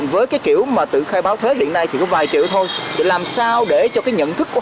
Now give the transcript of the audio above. với cái kiểu mà tự khai báo thuế hiện nay thì có vài triệu thôi để làm sao để cho cái nhận thức của